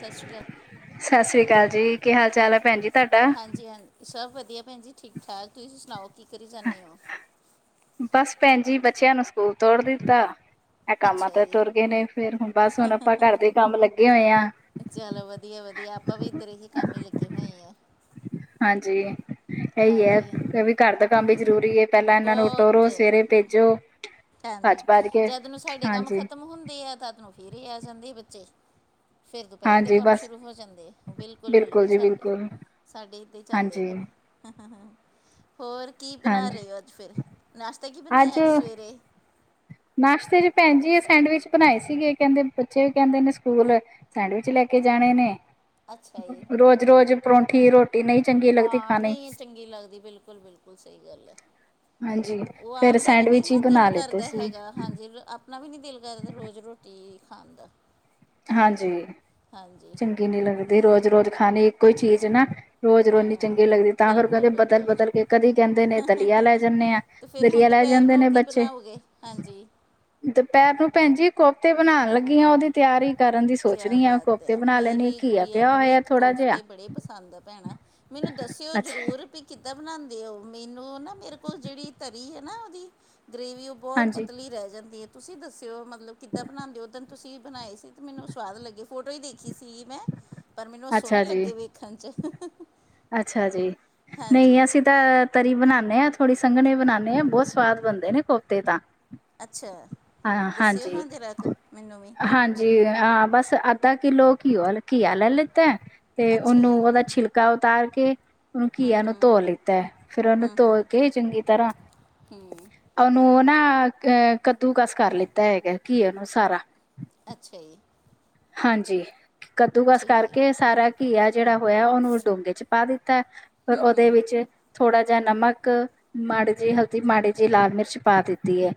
ਸ ਸ਼੍ਰੀ ਕਾਲ ਸ ਸ੍ਰੀ ਕਾਲ ਜੀ ਕੀ ਹਾਲ ਚਾਲ ਹੈ ਭੈਣ ਜੀ ਤੁਹਾਡਾ ਹਾਂਜੀ ਹਾਂ ਸਭ ਵਧੀਆ ਭੈਣ ਜੀ ਠੀਕ ਠਾਕ ਤੁਸੀਂ ਸੁਣਾਓ ਕੀ ਕਰੀ ਜਾਂਨੇ ਓ ਬਸ ਭੈਣ ਜੀ ਬੱਚਿਆਂ ਨੂੰ ਸਕੂਲ ਤੋੜ ਦਿੱਤਾ ਐਹ ਕਾਮਾਂ ਅੱਛਾ ਤਾਂ ਜੀ ਤੁਰ ਗਏ ਨੇ ਫੇਰ ਹੁਣ ਬਸ ਹੁਣ ਆਪਾਂ ਘਰ ਦੇ ਕੰਮ ਲੱਗੇ ਹੋਏ ਆ ਚਲੋ ਵਧੀਆ ਵਧੀਆ ਆਪਾਂ ਵੀ ਇੱਧਰ ਇਹੀ ਹੀ ਕੰਮ ਹੀ ਲੱਗੇ ਹੋਏ ਆ ਹਾਂਜੀ ਇਹੀ ਹਾਂਜੀ ਹੈ ਵੀ ਘਰ ਦਾ ਕੰਮ ਵੀ ਜ਼ਰੂਰੀ ਹੈ ਪਹਿਲਾਂ ਇਹਨਾਂ ਨੂੰ ਉ [unintelligible] ਬਹੁਤ ਰੋਜ ਸਵੇਰੇ ਭੇਜੋ ਹਾਂਜੀ ਭੱਜ ਭੱਜ ਕੇ ਜਦ ਨੂੰ ਸਾਡੇ ਕੰਮ ਹਾਂਜੀ ਖਤਮ ਹੁੰਦੇ ਆ ਤਦਨੂੰ ਫਿਰ ਹੀ ਇਹ ਆ ਜਾਂਦੇ ਬੱਚੇ ਫੇਰ ਦੁਪਹਿਰ ਦੇ ਹਾਂਜੀ ਕੰਮ ਬਸ ਸ਼ੁਰੂ ਹੋ ਜਾਂਦੇ ਆ ਬਿਲਕੁਲ ਬਿਲਕੁਲ ਜੀ ਸਾਡੇ ਬਿਲਕੁਲ ਸਾਡੇ ਤੇ ਏ ਚੱਲਦੇ ਹਾਂਜੀ ਕੰਮ ਹਾ ਹਾ ਹਾ ਹੋਰ ਕੀ ਬਨਾ ਹਾਂਜੀ ਰਹੇ ਹੋ ਅੱਜ ਫੇਰ ਨਾਸ਼ਤਾ ਕੀ ਬਨਾਇਆ ਅੱਜ ਸਵੇਰੇ ਨਾਸ਼ਤੇ ਚ ਭੈਨ ਜੀ ਇਹ ਸੈਂਡਵਿਚ ਬਨਾ ਹੇ ਸੀਗੇ ਕਹਿੰਦੇ ਬੱਚੇ ਵੀ ਕਹਿੰਦੇ ਨੇ ਸਕੂਲ ਸੈਂਡਵਿਚ ਲੈ ਕੇ ਜਾਣੇ ਨੇ ਅੱਛਾ ਜੀ ਰੋਜ਼ ਰੋਜ਼ ਪਰੌਂਠੀ ਰੋਟੀ ਨਹੀਂ ਚੰਗੀ ਲੱਗਦੀ ਹਾਂ ਖਾਣੀ ਨਹੀਂ ਚੰਗੀ ਲੱਗਦੀ ਬਿਲਕੁਲ ਬਿਲਕੁਲ ਸਹੀ ਗੱਲ ਹੈ ਹਾਂਜੀ। ਉਹ ਫੇਰ ਆਪ ਦਾ ਵੀ ਨੀ ਸੈਂਡਵਿਚ ਹੀ ਨਾ ਦਿਲ ਬਣਾ ਲਿੱਤੇ ਕਰਦਾ ਸੀ ਹੈਗਾ, ਹਾਂਜੀ ਆ ਅਪਨਾ ਵੀ ਨਹੀਂ ਦਿਲ ਕਰਦਾ ਰੋਜ਼ ਰੋਟੀ ਖਾਨ ਦਾ। ਹਾਂਜੀ। ਹਾਂਜੀ ਚੰਗੀ ਨੀ ਲੱਗਦੀ ਰੋਜ਼-ਰੋਜ਼ ਖਾਣੀ ਇੱਕੋ ਹੀ ਚੀਜ਼ ਨਾ, ਰੋਜ਼ ਰੋਜ਼ ਹਾਂ ਚੰਗੀ ਲੱਗਦ ਤਾਂ ਫੇਰ ਬਿਲਕੁਲ ਕਦੇ ਬਿਲਕੁਲ ਬਦਲ-ਬਦਲ ਕੇ, ਕਦੀ ਕਹਿੰਦੇ ਨੇ ਦਲੀਆ ਲੈ ਜਾਨੇ ਆ, ਤੇ ਫਿਰ ਹੁਣ ਦਲੀਆ ਲੈ ਦੁਪਹਿਰ ਜਾਂਦੇ ਨੂੰ ਨੇ ਕੀ ਬੱਚੇ। ਬਣਾਓਗੇ ਹਾਂਜੀ। ਦੁਪਹਿਰ ਨੂੰ ਭੈਨ ਜੀ ਕੋਫਤੇ ਬਨਾਣ ਲੱਗੀ ਆ, ਉਹਦੀ ਤਿਆਰੀ ਕਰਨ ਦੀ ਸੋਚ ਕਿਆ ਰਹੀ ਆ ਬਾਤ ਕੋਫਤੇ ਹੈ, ਬਣਾ ਲੈਣੀ ਮੇਰੀ ਘੀਆ ਗੁੜੀਆਂ ਪਿਆ ਨੂੰ ਵੀ ਹੋਇਆ ਥੋੜਾ ਜਿਹਾ ਕੋਫਤੇ ਬੜੇ ਪਸੰਦ ਆ ਭੈਣਾ ਮੈਨੂੰ ਦੱਸਿਓ ਅੱਛਾ ਜ਼ਰੂਰ, ਬੀ ਕਿੱਦਾਂ ਬਣਾਦੇ ਉਹ, ਮੈਨੂੰ ਨਾ ਮੇਰੇ ਕੋਲ ਜਿਹੜੀ ਤਰੀ ਹੈ ਨਾ ਉਹਦੀ ਗ੍ਰੇਵੀ ਉਹ ਬਹੁਤ ਹਾਂਜੀ ਪਤਲੀ ਰਹਿ ਜਾਂਦੀ ਹੈ, ਤੁਸੀਂ ਦੱਸਿਓ ਮਤਲਬ ਕਿੱਦਾਂ ਬਨਾਦੇ ਹੋ, ਉੱਦਣ ਤੁਸੀਂ ਬਨਾਏ ਸੀ। ਤੇ ਮੈਨੂੰ ਸਵਾਦ ਲੱਗੇ, ਫੋਟੋ ਹੀ ਦੇਖੀ ਸੀਗੀ ਮੈਂ, ਪਰ ਮੈਨੂੰ ਸੋਹਣੇ ਅੱਛਾ ਜੀ ਲੱਗੇ ਵੇਖਣ 'ਚ। ਅੱਛਾ ਜੀ, ਨਹੀਂ ਹਾਂਜੀ ਅਸੀਂ ਤ ਤਰੀ ਬਨਾਨੇ ਆ, ਥੋੜੀ ਸੰਘਣੀ ਬਨਾਂਨੇ ਆ, ਬਹੁਤ ਸਵਾਦ ਬਣਦੇ ਨੇ ਕੋਫਤੇ ਤਾਂ ਅੱਛਾ, ਹਾਂ ਦੱਸਿਓ ਹਾਂਜੀ ਹਾਂ ਜਰਾ ਕ। ਹਾਂਜੀ, ਹਾਂ ਬਸ ਅੱਧਾ ਕਿੱਲੋ ਘੀਓ ਘੀਆ ਲੈ ਲਿੱਤਾ। ਤੇ ਅੱਛਾ ਉਹਨੂੰ ਜੀ ਉਹਦਾ ਛਿਲਕਾ ਉਤਾਰ ਕੇ ਉਹਨੂੰ ਘੀਆ ਨੂੰ ਧੋ ਲਿੱਤਾ, ਫਿਰ ਉਹਨੂੰ ਧੋ ਕੇ ਚੰਗੀ ਤਰ੍ਹਾਂ ਹੁ ਉਹਨੂੰ ਉਹ ਨਾ ਅ ਕੱਦੂ ਕਸ ਕਰ ਲਿੱਤਾ ਹੈਗਾ, ਘਿਏ ਨੂੰ ਸਾਰਾ ਅੱਛਾ ਜੀ। ਹਾਂਜੀ, ਕੱਦੂਕਸ ਠੀਕ ਕਰਕੇ ਸਾਰਾ ਘੀਆ ਜਿਹੜਾ ਹੋਇਆ, ਉਹਨੂੰ ਡੋਂਗੇ ਚ ਪਾ ਦਿੱਤਾ, ਫਿਰ ਉਹਦੇ ਵਿੱਚ ਥੋੜਾ ਜਿਹਾ ਨਮਕ, ਮਾੜੀ ਜਿਹੀ ਹਲਦੀ, ਮਾੜੀ ਜਿਹੀ ਲਾਲ ਮਿਰਚ ਪਾ ਦਿੱਤੀ ਏ।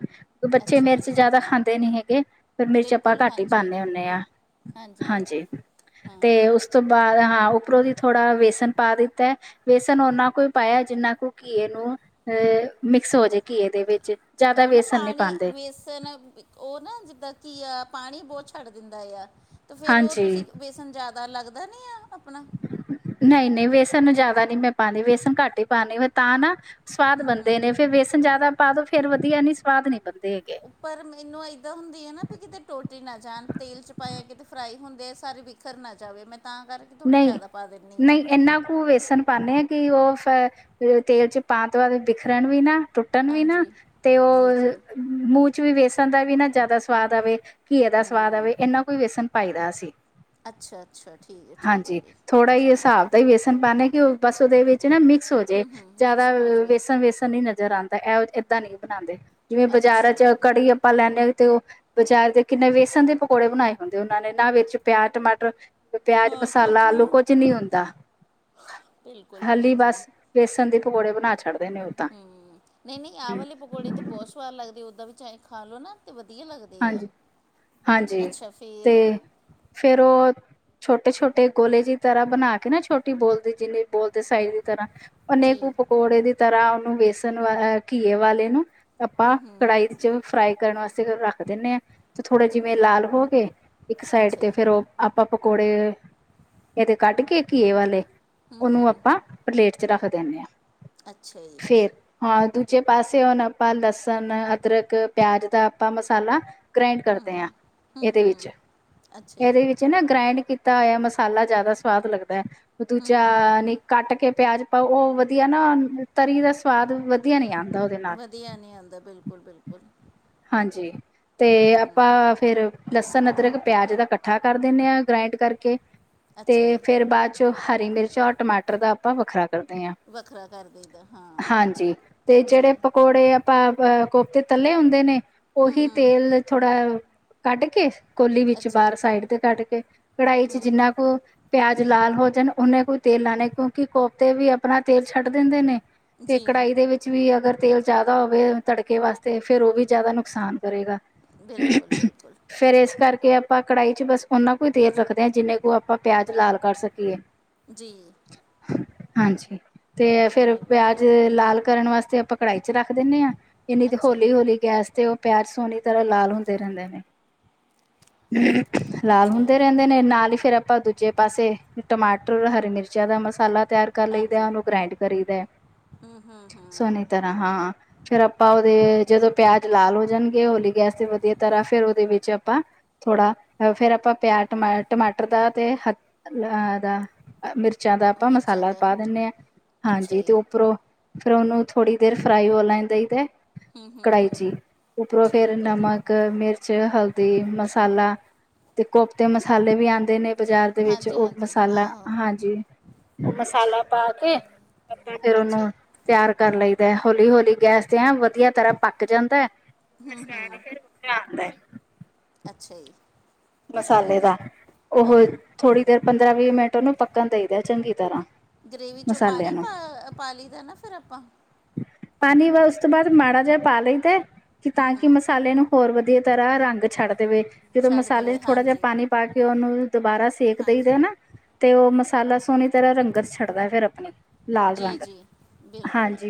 ਬੱਚੇ ਅੱਛਾ ਜੀ ਮਿਰਚ ਜਿਆਦਾ ਖਾਂਦੇ ਨੀ ਹੈਗੇ, ਫੇਰ ਮਿਰਚ ਆਪਾਂ ਬਿਲਕੁਲ ਘੱਟ ਹੀ ਹਾਂਜੀ ਪਾਨੇ ਹੁੰਨੇ ਆ। ਹਾਂਜੀ, ਹਾਂ ਤੇ ਉਸ ਤੋਂ ਬਾਅਦ ਹਾਂ ਉੱਪਰੋਂ ਦੀ ਥੋੜ੍ਹਾ ਵੇਸਨ ਪਾ ਦਿੱਤਾ ਬੇਸਨ ਓਨਾ ਕੁ ਈ ਪਾਇਆ, ਜਿੰਨਾ ਕੁ ਘੀਏ ਨੂੰ, ਅਹ ਮਿਕਸ ਹੋਜੇ ਘੀਏ ਦੇ ਵਿੱਚ। ਜ਼ਿਆਦਾ ਉਹ ਨਾ ਵੇਸਣ ਨਹੀਂ ਪਾਣੀ, ਪਾਉਂਦੇ ਵੇਸਨ ਉਹ ਨਾ ਜਿੱਦਾਂ ਕੀ ਆ, ਪਾਣੀ ਬਹੁਤ ਛੱਡ ਦਿੰਦਾ ਆ, ਤੇ ਫੇਰ ਉਹ ਤੁਸੀਂ ਹਾਂਜੀ ਤੁਹਾਨੂੰ ਜ਼ਿਆਦਾ ਲੱਗਦਾ ਨੀ ਆ ਆਪਣਾ ਨਹੀਂ-ਨਹੀਂ, ਵੇਸਣ ਜ਼ਿਆਦਾ ਨਹੀਂ ਮੈਂ ਪਾਂਦੀ, ਵੇਸਨ ਘੱਟ ਹੀ ਪਾਨੀ ਤਾਂ ਨਾ ਸਵਾਦ ਬਨਦੇ ਨੇ, ਫੇਰ ਬੇਸਨ ਜ਼ਿਆਦਾ ਪਾ ਦੋ ਫੇਰ ਵਧੀਆ ਨੀ ਸਵਾਦ ਨੀ ਬਨਦੇ ਹੈਗੇ। ਪਰ, ਮੈਨੂੰ ਇੱਦਾਂ ਹੁੰਦੀ ਹੈ ਨਾ, ਵੀ ਕਿਤੇ ਟੁੱਟ ਹੀ ਨਾ ਜਾਨ, ਤੇਲ 'ਚ ਪਾਇਆ ਕਿਤੇ ਫਰਾਈ ਹੁੰਦੇ ਆ ਸਾਰੇ ਕਰਨਾ ਚਾਹਵੇ, ਮੈਂ ਤਾਂ ਕਰ ਨਹੀਂ, ਨਹੀਂ, ਏਨਾਂ ਕੁ ਵੇਸਣ ਪਾਨੇ ਹਾਂ, ਕਿ ਉਹ ਫਰ ਤੇਲ ਚ ਪਾਨ ਤੋਂ ਬਾਅਦ ਬਿਖਰਨ ਵੀ ਨਾ ਟੁੱਟ ਟੁੱਟਣ ਵੀ ਨਾ ਹਾਂਜੀ ਤੇ ਜੀ ਜੀ ਉਹ ਮੂੰਹ ਚ ਵੀ ਵੇਸਣ ਦਾ ਵੀ ਨਾ ਜ਼ਿਆਦਾ ਸਵਾਦ ਆਵੇ ਘੀਏ ਦਾ ਸਵਾਦ ਆਵੇ, ਏਨਾਂ ਕੁ ਵੇਸਣ ਪਾਈ ਦਾ ਅਸੀਂ। ਅੱਛਾ-ਅੱਛਾ ਹਾਂਜੀ, ਥੋੜ੍ਹਾ ਜਿਹਾ ਹਿਸਾਬ ਦਾ ਹੀ ਬੇਸਣ ਪਾਦੇ ਆ ਕਿ ਉਹ ਬਸ ਉਹਦੇ ਵਿੱਚ ਉਹ ਨਾ ਮਿਕਸ ਹੋਜੇ, ਹੂੰ ਹੂੰ ਮਿਕਸ ਜ਼ਿਆਦਾ ਹੋ ਜਵੇ ਵੇਸਣ-ਵੇਸਣ ਨਹੀ ਨਜ਼ਰ ਆਂਦਾ, ਇਹ ਏਦਾਂ ਨਹੀਂ ਬਨਾਂਦੇ। ਜਿਵੇਂ ਬਾਜ਼ਾਰਾਂ ਅੱਛਾ ਚ ਜੀ ਕੜੀ ਆਪਾਂ ਲੈਂਨੇ ਆ ਤੇ ਉਹ ਬਜ਼ਾਰ ਦੇ ਕਿੰਨੇ ਵੇਸਣ ਦੇ ਪਕੌੜੇ ਬਣਾਏ ਹੁੰਦੇ ਉਹਨਾਂ ਨੇ ਨਾ ਵਿੱਚ ਪਿਆਜ ਟਮਾਟਰ ਪਿਆਜ, ਹਾਂ ਮਸਾਲਾ, ਆਲੂ ਕੋਥਮੀਰ ਕੁੱਝ ਨਹੀਂ ਹੁੰਦਾ, ਬਿਲਕੁਲ ਖਾਲੀ ਹਾਂਜੀ ਬਸ ਵੇਸਨ ਦੇ ਪਕੌੜੇ ਬਣਾ ਛਡਦੇ ਨੇ ਉਹ। ਤਾਂ ਹੂੰ, ਨਹੀਂ-ਨਹੀਂ ਆਹ ਵਾਲੇ ਪਕੌੜੇ ਤਾ ਬਹੁਤ ਸਵਾਦ ਲਗਦੇ, ਓਦਾਂ ਵੀ ਚਾਹੇ ਖਾਲੋ ਨਾ। ਤ ਵਧੀਆ ਲੱਗਦੇ ਆ, ਹਾਂਜੀ ਅੱਛਾ ਫਿਰ ਫਿਰ ਉਹ, ਛੋਟੇ-ਛੋਟੇ ਗੋਲੇ ਦੀ ਤਰ੍ਹਾਂ ਬਣਾਕੇ ਨਾ, ਛੋਟੀ ਬੋਲ ਦੀ ਜਿੰਨੀ ਬੋਲ ਸਾਈਜ ਦੀ ਤਰ੍ਹਾਂ, ਉਹਨੇ ਜੀ ਕੋ ਪਕੌੜੇ ਦੀ ਤਰ੍ਹਾਂ, ਉਹਨੂੰ ਵੇਸਣ, ਘੀਏ ਵਾਲੇ ਨੂੰ। ਆਪਾਂ ਕੜਾਹੀ ਵਿੱਚ ਫਰਾਈ ਕਰਨ ਵਾਸਤੇ ਰੱਖ ਦਿੰਨੇ ਆ ਤੇ ਥੋੜੇ ਜਿਵੇਂ ਲਾਲ ਹੋ ਗਏ ਇੱਕ ਸਾਈਡ ਅੱਛਾ ਤੇ ਜੀ ਫੇਰ ਉਹ ਆਪਾਂ ਪਕੌੜੇ ਇਹਦੇ ਕੱਡ ਕੇ ਘੀਏ ਵਾਲੇ ਉਹਨੂੰ ਆਪਾਂ ਪਲੇਟ'ਚ ਰੱਖ ਦਿੰਨੇ ਆਂ, ਅੱਛਾ ਜੀ ਫਿਰ ਹਾਂ, ਦੂਜੇ ਪਾਸੇ ਹੁਣ ਆਪਾਂ ਲਸਣ, ਅਦਰਕ, ਪਿਆਜ ਦਾ ਆਪਾਂ ਮਸਾਲਾ ਗ੍ਰੈਂਡ ਕਰਦੇ ਆਂ ਹੂੰ ਇਹਦੇ ਵਿੱਚ, ਹੂੰ ਅੱਛਾ ਜੀ ਇਹਦੇ ਵਿੱਚ ਚ, ਨਾ ਗ੍ਰਾਂਈਡ ਕੀਤਾ ਹੋਇਆ ਮਸਾਲਾ ਜ਼ਿਆਦਾ ਸਵਾਦ ਲੱਗਦੈ, ਹੂੰ ਦੂਜਾ ਹੂੰ ਨਹੀਂ। ਕੱਟਕੇ ਪਿਆਜ਼ ਪਾਓ ਉਹ ਵਧੀਆ ਨਾ, ਤਰੀ ਦਾ ਸਵਾਦ ਵਧੀਆ ਨਹੀਂ ਆਂਦਾ ਉਹਦੇ ਨਾਲ। ਵਧੀਆ ਨਹੀਂ ਆਂਦਾ ਬਿਲਕੁੱਲ, ਬਿਲਕੁੱਲ। ਹਾਂਜੀ। ਤੇ ਆਪਾ ਫਿਰ, ਲਸਣ, ਅਦਰਕ, ਪਿਆਜ ਦਾ ਇਕੱਠਾ ਕਰ ਦਿੰਨੇ ਆਂ, ਗ੍ਰਾਇੰਡ ਕਰਕੇ। ਅੱਛਾ ਤੇ ਜੀ ਫਿਰ ਬਾਅ'ਚੋਂ, ਹਰੀ ਮਿਰਚ ਔਰ ਟਮਾਟਰ ਦਾ ਆਪਾਂ ਵੱਖਰਾ ਕਰਦੇ ਆਂ, ਵੱਖਰਾ ਕਰ ਦਈਦਾ ਹਾਂ ਹਾਂਜੀ, ਤੇ ਜੀ ਜਿਹੜੇ ਪਕੋੜੇ ਪਾ, ਨਾ, ਕੋਫਤੇ ਤੱਲੇ ਹੁੰਦੇ ਨੇ, ਹੂੰ ਉਹੀ ਹੂੰ ਤੇਲ ਥੋੜ੍ਹਾ ਕੱਢਕੇ, ਕੋਲੀ ਵਿੱਚ ਅੱਛਾ ਜੀ ਬਾਹਰ ਸਾਈਡ ਤੇ ਕੱਢਕੇ, ਕਢਾਈ'ਚ ਜਿੰਨਾ ਕੁ ਪਿਆਜ ਲਾਲ ਹੋ ਜਾਣ, ਉਹਨੇ ਕੋਈ ਤੇਲ ਲਾਣਾ, ਕਿਉਂਕਿ ਕੋਫਤੇ ਵੀ ਆਪਣਾ ਤੇਲ ਛੱਡ ਦਿੰਦੇ ਨੇ, ਤੇ ਜੀ ਕੜਾਹੀ ਦੇ ਵਿੱਚ ਵੀ ਅਗਰ ਤੇਲ ਜ਼ਿਆਦਾ ਹੋਵੇ ਤੜਕੇ ਵਾਸਤੇ, ਫਿਰ ਉਹ ਵੀ ਜ਼ਿਆਦਾ ਨੁਕਸਾਨ ਕਰੇਗਾ। ਬਿਲਕੁਲ ਬਿਲਕੁਲ ਫਿਰ ਇਸ ਕਰਕੇ ਆਪਾ, ਕੜਾਹੀ'ਚੱ ਬੱਸ ਉਹਨਾ ਕੋ ਤੇਲ ਰੱਖਦੇ ਹਾਂ, ਜਿੰਨੇ ਕੋ ਆਪਾਂ ਪਿਆਜ ਲਾਲ ਕਰ ਸਕੀਏ। ਜੀ। ਹਾਂਜੀ। ਤੇ, ਫਿਰ ਚੰਨਾ ਹੀ ਪਿਆਜ ਵਧੀਆ ਲਾਲ ਕਰਨ ਵਾਸਤੇ ਆਪਾਂ ਕੜਾਹੀ'ਚ ਰੱਖ ਦਿੰਨੇ ਆਂ, ਨਹੀਂ ਤੇ ਅੱਛਾ ਜੀ ਹੋਲੀ-ਹੋਲੀ ਗੈਸ ਤੇ, ਉਹ ਪਿਆਜ਼ ਸੋਹਣੀ ਤਰ੍ਹਾਂ ਲਾਲ ਹੁੰਦੇ ਰਹਿੰਦੇ ਨੇ। ਲਾਲ ਅੱਛਾ ਜੀ ਹੁੰਦੇ ਰਹਿੰਦੇ ਨਾਲ ਹੀ ਫਿਰ ਆਪਾ ਦੂਜੇ ਪਾਸੇ, ਟਮਾਟਰ, ਹਰੀ ਮਿਰਚਾਂ ਦਾ ਮਸਾਲਾ ਤਿਆਰ ਕਰ ਲਈਦਾ, ਹਾਂਜੀ ਉਹਨੂੰ ਗ੍ਰੈਂਡ ਕਰੀ ਦਾ। ਸੋਨੇ ਤਰ੍ਹਾਂ ਹਾਂ, ਫਿਰ ਆਪਾਂ ਉਹਦੇ ਜਦੋਂ ਪਿਆਜ ਲਾਲ ਹੋ ਜਾਣਗੇ ਹੋਲੀ ਗੈਸ ਤੇ ਵਧੀਆ ਤਰ੍ਹਾਂ, ਫਿਰ ਉਹਦੇ ਵਿੱਚ ਆਪਾਂ ਥੋੜ੍ਹਾ, ਫਿਰ ਆਪਾਂ ਪਿਆਜ਼, ਟਮਾਟਰ ਦਾ ਤੇ ਹ--ਦਾ ਮਿਰਚਾਂ ਦਾ ਆਪਾਂ ਮਿਰਚਾਂ ਮਸਾਲਾ ਦਾ ਪਾ ਦਿੰਨੇ ਹਾਂ, ਅੱਛਾ ਹਾਂਜੀ। ਤੇ ਜੀ ਉੱਪਰੋਂ ਫਿਰ ਉਹਨੂੰ ਥੋੜੀ ਦੇਰ, ਫ੍ਰਾਈ ਹੋ ਲੈਣ ਦਈ ਦਾ ਕੜਾਹੀ'ਚ ਈ, ਉਪਰੋਂ ਫਿਰ ਠੀਕ ਹੈ ਜੀ ਨਮਕ, ਮਿਰਚ ਹਲਦੀ, ਮਸਾਲਾ ਤੇ ਕੋਫਤੇ ਮਸਾਲੇ ਵੀ ਆਂਦੇ ਨੇ ਬਜ਼ਾਰ ਦੇ ਵਿੱਚ, ਹਾਂਜੀ ਉਹ ਹਾਂਜੀ ਮਸਾਲਾ ਆਹੋ ਹਾਂਜੀ। ਉਹ ਮਸਾਲਾ ਪਾਕੇ, ਆਪ ਫਿਰ ਅੱਛਾ ਉਹਨੂੰ ਜੀ ਤਿਆਰ ਕਰ ਲਈਦਾ, ਹੋਲੀ-ਹੋਲੀ ਗੈਸ ਤੇ ਐਂ ਵਧੀਆ ਤਰ੍ਹਾਂ ਪੱਕ ਜਾਂਦੈ ਹੂੰ, ਹੂੰ ਕੇ ਆਂਦੇ? ਅੱਛਾ ਜੀ। ਮਸਾਲੇ ਦਾ, ਉਹ ਹਾਂ ਥੋੜ੍ਹੀ ਦੇਰ ਪੰਦਰਾਂ-ਵੀਹ ਮਿੰਟ ਉਹਨੂੰ ਪੱਕਣ ਦੇਈ ਦਾ, ਚੰਗੀ ਤਰ੍ਹਾਂ। ਗ੍ਰੇਵੀ'ਚੋਂ ਮਸਾਲਿਆਂ ਪਾਣੀ ਨੂੰ। ਪਾ, ਪਾ ਲਈ ਦਾ ਨਾ ਫਿਰ ਆਪਾਂ। ਪਾਣੀ ਵ, ਉਸ ਤੋਂ ਬਾਅਦ ਮਾੜਾ ਜਿਹਾ ਪਾ ਲਈਦਾ, ਕਿ ਤਾਂਕੀ ਮਸਾਲੇ ਨੂੰ ਹੋਰ ਵਧੀਆ ਤਰ੍ਹਾਂ ਰੰਗ ਛੱਡ ਦੇਵੇ, ਜਦੋਂ ਛੱਡ ਦੇਵੇ ਮਸਾਲੇ'ਚ ਥੋੜ੍ਹਾ ਜਿਹਾ ਹਾਂਜੀ ਪਾਣੀ ਪਾਕੇ ਉਹਨੂੰ ਦੁਬਾਰਾ ਸੇਕ ਦੇਈ ਦੇ ਨਾ, ਹਾਂਜੀ ਤੇ ਉਹ ਮਸਾਲਾ ਸੋਹਣੀ ਫਿਰ ਰੰਗਤ ਛੱਡਦਾ ਫਿਰ ਆਪਣੀ, ਲਾਲ ਜੀ ਰੰਗ। ਜੀ ਹਾਂ ਬਿਲਕੁਲ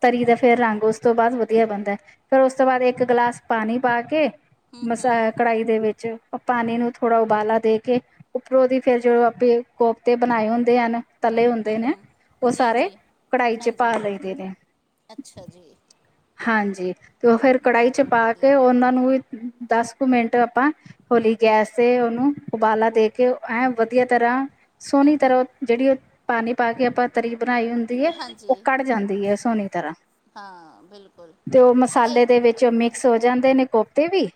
ਤਰੀ ਦਾ ਫਿਰ ਰੰਗ ਉਸ ਤੋਂ ਬਾਅਦ ਵਧੀਆ ਬਣਦਾ, ਫਿਰ ਉਸ ਤੋਂ ਬਾਅਦ ਇੱਕ ਗਲਾਸ ਪਾਣੀ ਪਾ ਕੇ ਮਸਾਲਾ ਕੜਾਹੀ ਦੇ ਵਿੱਚ ਪਾਣੀ ਨੂੰ ਥੋੜ੍ਹਾ ਉਬਾਲਾ ਦੇ ਕੇ ਉੱਪਰੋਂ ਦੀ ਫਿਰ ਜਦੋਂ ਆਪੇ ਕੋਫਤੇ ਬਣਾਏ ਹੁੰਦੇ ਹਨ ਤਲੇ ਹੁੰਦੇ ਨੇ ਉਹ ਜੀ ਸਾਰੇ ਜੀ ਕੜਾਹੀ ਚ ਪਾ ਹਾਂਜੀ ਲਈਦੇ ਨੇ ਅੱਛਾ ਜੀ! ਹਾਂਜੀ ਤੇ ਉਹ ਫੇਰ ਹਮ, ਕੜਾਹੀ ਚ ਬਹੁਤ ਪਾ ਕੇ ਵਧੀਆ ਉਹਨਾਂ ਨੂੰ ਵੀ ਦਸ ਕੁ ਮਿੰਟ ਆਪਾਂ ਹੌਲੀ ਗੈਸ ਤੇ ਉਹਨੂੰ ਉਬਾਲਾ ਦੇ ਕੇ ਐਂ ਵਧੀਆ ਤਰ੍ਹਾਂ ਸੋਹਣੀ ਤਰ੍ਹਾਂ ਜਿਹੜੀ ਉਹ ਪਾਣੀ ਪਾ ਕੇ ਆਪਾਂ ਤਰੀ ਬਣਾਈ ਹੁੰਦੀ ਉਹ ਹਾਂਜੀ ਕੱਢ ਜਾਂਦੀ ਹੈ ਸੋਹਣੀ ਤਰ੍ਹਾਂ ਹਾਂ ਬਿਲਕੁਲ ਤੇ ਉਹ ਮਸਾਲੇ ਦੇ ਵਿੱਚ ਮਿਕਸ ਹੋ ਜਾਂਦੇ ਨੇ ਕੋਫਤੇ ਵੀ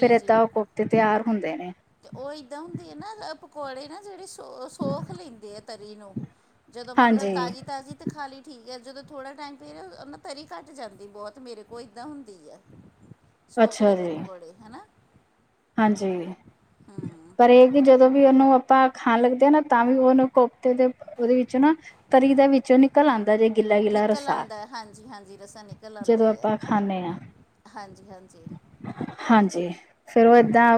ਫੇਰ ਏਦਾਂ ਉਹ ਕੋ ਤੇ ਤਿਉਹਾਰ ਹੁੰਦੇ ਨੇ ਅਤੇ ਉਹ ਇੱਦਾਂ ਹੁੰਦੀ ਹੈ ਨਾ ਪਕੌੜੇ ਨਾ ਜਿਹੜੇ ਸੌ ਸੌਖ ਲੈਂਦੇ ਆ ਤਰੀ ਨੂੰ ਜਦੋਂ ਮਤਲਬ ਹਾਂਜੀ ਤਾਜ਼ੀ ਤਾਜ਼ੀ ਤੇ ਖਾਲੀ ਠੀਕ ਆ ਜਦੋਂ ਥੋੜਾ ਟਾਈਮ ਪ ਰਿਹਾ ਨਾ ਤਰੀ ਘੱਟ ਜਾਂਦੀ ਬਹੁਤ ਮੇਰੇ ਕੋਲ ਏਦਾਂ ਹੁੰਦੀ ਹੈ [inaudible] ਸੌਖ ਲੈਂਦੀ ਜੀ ਪਕੌੜੇ ਹੈ ਨਾ ਹਾਂਜੀ ਪਰ ਇਹ ਜਦੋਂ ਵੀ ਉਹਨੂੰ ਆਪਾਂ ਖਾਣ ਲੱਗਦੇ ਹ ਨਾ ਤਾਂ ਵੀ ਉਹਓਨੂੰ ਕੋਫਤੇ ਦੇ ਉਹਦੇ ਵਿੱਚ ਨਾ ਤਰੀ ਦਾ ਵਿੱਚੋਂ ਨਿਕਲ ਆਉਂਦਾ ਜੇ ਗਿੱਲਾ ਗਿੱਲਾ ਨਿਕਲ ਰਸਾ ਆਉਂਦਾ ਹਾਂਜੀ ਹਾਂਜੀ ਰਸਾਂ ਨਿਕਲ ਆਉਂਦਾ ਜਦੋਂ ਆ ਆਪਾਂ ਖਾਂਦੇ ਹਾਂ ਹਾਂਜੀ ਹਾਂਜੀ ਜੀ ਹਾਂਜੀ ਫੇਰ ਉਹ ਏਦਾਂ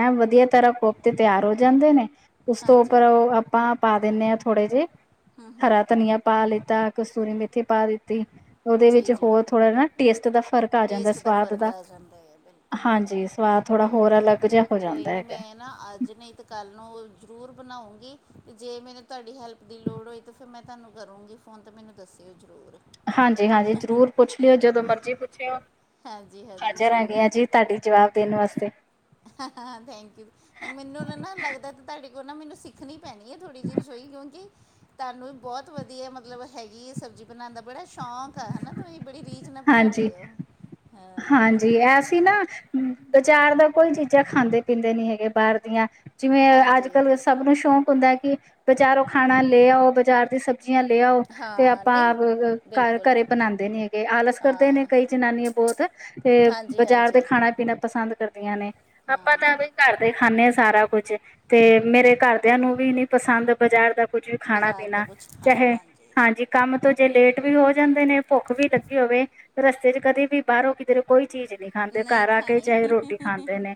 ਐ ਵਧੀਆ ਤਰ੍ਹਾਂ ਕੋਫਤੇ ਤਿਆਰ ਹੋ ਜਾਂਦੇ ਨੇ ਉਸ ਤੋਂ ਉੱਪਰ ਹਾਂਜੀ ਉਹ ਆਪਾਂ ਪਾ ਦਿੰਦੇ ਹਾਂ ਥੋੜੇ ਜਿਹੇ ਹਰਾ ਧਨੀਆ ਪਾ ਲਿੱਤਾ ਕਸਤੂਰੀ ਮੇਥੀ ਪਾ ਦਿੱਤੀ ਉਹਦੇ ਜੀ ਵਿੱਚ ਜੀ ਹੋਰ ਥੋੜਾ ਨਾ ਟੇਸਟ ਦਾ ਫਰਕ ਟੇਸਟ ਦਾ ਫ਼ਰਕ ਆ ਜਾਂਦਾ ਹੈ ਬਿਲਕੁਲ ਹਾਂਜੀ ਸਵਾਦ ਥੋੜ੍ਹਾ ਹੋਰ ਹਾਂਜੀ ਅਲੱਗ ਜਿਹਾ ਹੋ ਕੋਈ ਜਾਂਦਾ ਨਹੀਂ ਹੈਗਾ ਮੈਂ ਅੱਜ ਨਹੀਂ ਤਾਂ ਕੱਲ੍ਹ ਨੂੰ ਜ਼ਰੂਰ ਬਣਾਊਂਗੀ ਤੇ ਜੇ ਮੈਨੂੰ ਤੁਹਾਡੀ ਹੈਲਪ ਦੀ ਲੋੜ ਹੋਈ ਤਾਂ ਫਿਰ ਮੈਂ ਤੁਹਾਨੂੰ ਕਰੂੰਗੀ ਫੋਨ ਤਾਂ ਮੈਨੂੰ ਦੱਸਿਓ ਜ਼ਰੂਰ ਹਾਂਜੀ ਹਾਂਜੀ ਜ਼ਰੂਰ ਪੁੱਛ ਲਿਓ ਜਦੋਂ ਮਰਜੀ ਪੁੱਛਿਓ ਹਾਂਜੀ ਹਾਂਜੀ ਹਾਜ਼ਰ ਹੈਗੀਆਂ ਜ਼ਰੂਰ ਜੀ ਤੁਹਾਡੀ ਜਵਾਬ ਦੇਣ ਵਾਸਤੇ ਹਾਂ ਹਾਂ ਥੈਂਕ ਯੂ ਮੈਨੂੰ ਨਾ ਨਾ ਲੱਗਦਾ ਤੇ ਤੁਹਾਡੇ ਕੋਲ ਨਾ ਮੈਨੂੰ ਸਿੱੱਖਣੀ ਪੈਣੀ ਹੈ ਥੋੜ੍ਹੀ ਜਿਹੀ ਰਸੋਈ ਕਿਉਂਕਿ ਤੁਹਾਨੂੰ ਵੀ ਬਹੁਤ ਵਧੀਆ ਮਤਲਬ ਹੈਗੀ ਹੈ ਸਬਜ਼ੀ ਬਣਾਉਣ ਦਾ ਬੜਾ ਸ਼ੌਂਕ ਆ ਹਨਾ ਤੁਰੀ ਬੜੀ ਰੀ ਨਾ ਬਣਾਉਦੇ ਹਾਂਜੀ ਉਹ ਹਾਂਜੀ ਐਸੀ ਨਾ ਵਿਚਾਰ ਦਾ ਕੋਈ ਚੀਜ਼ਾਂ ਖਾਂਦੇ ਪੀਂਦੇ ਨੀ ਹੈਗੇ ਬਾਹਰ ਦੀਆਂ ਜਿਵੇਂ ਅੱਜ ਹਾਂਜੀ ਕੱਲ ਸਭ ਨੂੰ ਸ਼ੌਕ ਹੁੰਦਾ ਕਿ ਬਜ਼ਾਰੋਂ ਖਾਣਾ ਲੈ ਆਓ ਬਜ਼ਾਰ ਦੀ ਸਬਜ਼ੀਆਂ ਲੈ ਆਓ ਤੇ ਹਾਂ ਆਪਾਂ ਨਹੀਂ ਘ ਬਿਲਕੁਲ ਘਰੇ ਬਣਾਉਂਦੇ ਨੀ ਹੈਗੇ ਆਲਸ ਕਰਦੇ ਨੇ ਹਾਂ ਕਈ ਜਨਾਨੀਆਂ ਬਹੁਤ ਤੇ ਹਾਂਜੀ ਬਾਜ਼ਾਰ ਤੇ ਹਾਂਜੀ ਖਾਣਾ ਪੀਣਾ ਪਸੰਦ ਕਰਦੀਆਂ ਨੇ ਆਪਾਂ ਹਾਂ ਤਾਂ ਘਰਦੇ ਖਾਂਦੇ ਆ ਸਾਰਾ ਕੁਝ ਤੇ ਮੇਰੇ ਘਰਦਿਆਂ ਨੂੰ ਵੀ ਨੀ ਪਸੰਦ ਬਜ਼ਾਰ ਦਾ ਕੁੱਝ ਵੀ ਖਾਣਾ ਬਾਜ਼ਾਰ ਦਾ ਪੀਣਾ ਕੁਝ ਖਾਣਾ ਚਾਹੇ ਹਾਂਜੀ ਕੰਮ ਤੋਂ ਜੇ ਲੇਟ ਵੀ ਹਾਂ। ਹੋ ਜਾਂਦੇ ਨੇ ਭੁੱਖ ਵੀ ਲੱਗੀ ਹੋਵੇ ਰਸਤੇ ਚ ਕਦੇ ਵੀ ਬਾਹਰੋਂ ਕਿਤੇਰੇ ਕੋਈ ਚੀਜ਼ ਨਹੀਂ ਖਾਂਦੇ ਨਹੀਂ ਘਰ ਆ ਕੇ ਖਾਣੇ ਚਾਹੇ ਰੋਟੀ ਖਾਂਦੇ ਨੇ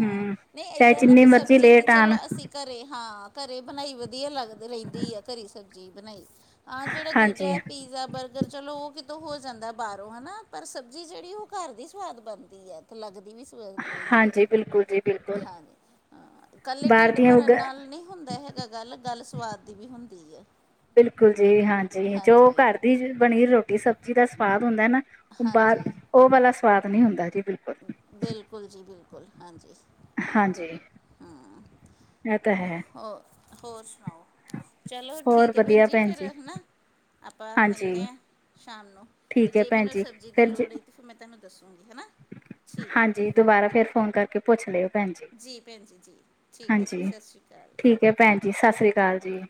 ਹਾਂ ਹੂੰ ਨਹੀਂ ਚਾਹੇ ਏਦਾਂ ਨਾ ਜਿੰਨੀ ਵੀ ਮਰਜ਼ੀ ਸਬਜ਼ੀ ਤੇ ਲੇਟ ਚਲੋ ਆਣ ਅਸੀਂ ਕਰ ਘਰੇ ਹਾਂ ਘਰੇ ਬਣਾਈ ਵਧੀਆ ਲੱਗ ਰਹਿਣਦੀ ਆ ਘਰੇ ਸਬਜ਼ੀ ਬਣਾਈ ਹਾਂ ਜਿਹੜਾ ਦੂਜਾ ਹਾਂਜੀ ਹੈ ਪੀਜ਼ਾ ਬਰਗਰ ਚਲੋ ਉਹ ਹੋ ਜਾਂਦਾ ਬਾਹਰੋਂ ਹਨਾ ਪਰ ਸਬਜ਼ੀ ਜਿਹੜੀ ਉਹ ਘਰ ਦੀ ਸਵਾਦ ਬਣਦੀ ਹੈ ਤੇ ਲੱਗਦੀ ਵੀ ਤਾਂ ਉਹੀ ਹੈ ਹਾਂਜੀ ਬਿਲਕੁਲ ਜੀ ਬਿਲਕੁਲ ਹਾਂਜੀ, ਹਾਂ, ਇਕੱਲੇ ਬਾਹਰ ਢਿੱਡ ਦੀਆਂ ਉਗ ਭਰਨ ਨਾਲ ਨਹੀਂ ਹੁੰਦਾ ਹੈਗਾ, ਗੱਲ, ਗੱਲ ਸਵਾਦ ਦੀ ਵੀ ਹੁੰਦੀ ਐ। ਬਿਲਕੁਲ ਜੀ, ਹਾਂਜੀ, ਜੋ ਘਰ ਦੀ ਬਨੀ ਰੋਟੀ ਸਬਜ਼ੀ ਦਾ ਸਵਾਦ ਹੁੰਦਾ ਨਾ ਔ ਬਾਹਰ, ਹਾਂਜੀ ਔ ਵਾਲਾ ਸਵਾਦ ਨੀ ਹੁੰਦਾ ਜੀ, ਬਿਲੁ ਬਿਲਕੁਲ ਜੀ ਬਿਲਕੁਲ ਹਾਂਜੀ ਹਾਂਜੀ। ਹਮ ਇਹ ਤਾਂ ਹੈ ਹੋਰ ਹੋਰ ਸੁਣਾਓ। ਚਲੋ ਠੀਕ ਹੈ, ਭੈਣ ਜੀ, ਫਿਰ ਹੈ ਨਾ। ਆਪਾਂ ਮਿਲਦੇ ਹਾਂਜੀ ਹਾਂ, ਸ਼ਾਮ ਨੂੰ, ਅਤੇ ਠੀਕ ਹੈ ਜੇ ਭੈਣ ਮੈਨੂੰ ਜੀ ਸਬਜ਼ੀ ਦੀ ਫਿਰ ਜ ਲੋੜ ਹੋਈ ਤੇ ਫਿਰ ਮੈਂ ਤੁਹਾਨੂੰ ਦਸੁੰਗੀ, ਹੈ ਨਾ। ਠੀਕ ਹੈ ਹਾਂਜੀ, ਦੁਬਾਰਾ ਫ਼ਿਰ ਫੋਨ ਕਰਕੇ ਪੁੱਛ ਲਿਓ ਭੈਣ ਜੀ, ਭੈਣ ਜੀ ਜੀ ਹੈ ਹਾਂਜੀ ਜੀ ਠੀਕ। ਸਤਿ ਸ਼੍ਰੀ ਅਕਾਲ ਠੀਕ ਹੈ, ਭੈਣ ਜੀ ਸਤਿ ਸ੍ਰੀ ਅਕਾਲ ਜੀ।